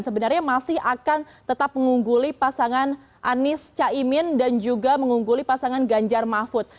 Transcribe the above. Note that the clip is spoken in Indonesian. sebenarnya masih akan tetap mengungguli pasangan anies caimin dan juga mengungguli pasangan ganjar mahfud